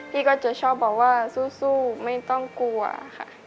พี่ก็จะชอบบอกว่าสู้ไม่ต้องกลัวค่ะ